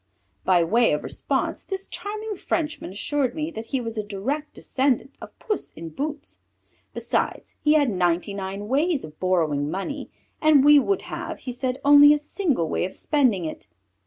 By way of response this charming Frenchman assured me that he was a direct descendant of Puss in Boots. Besides he had ninety nine ways of borrowing money and we would have, he said, only a single way of spending it.